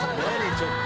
ちょっと！